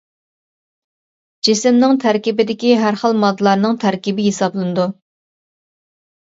جىسىمنىڭ تەركىبىدىكى ھەر خىل ماددىلارنىڭ تەركىبى ھېسابلىنىدۇ.